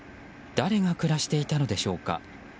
誰が暮らしていたのでしょうか。